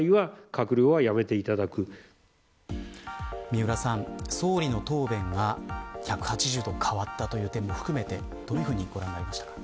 三浦さん、総理の答弁が１８０度変わったという点も含めてどういうふうにご覧になりましたか。